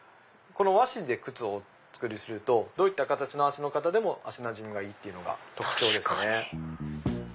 和紙で靴をお作りするとどういった形の足の方でも足なじみがいいのが特徴ですね。